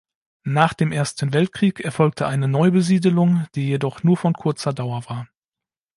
Nach dem Ersten Weltkrieg erfolgte eine Neubesiedelung, die jedoch nur von kurzer Dauer war.